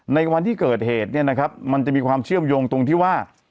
ในวันที่เกิดเหตุเนี่ยนะครับมันจะมีความเชื่อมโยงตรงที่ว่า